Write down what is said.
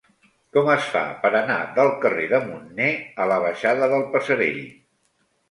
Com es fa per anar del carrer de Munner a la baixada del Passerell?